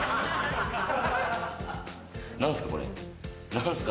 「何すか？」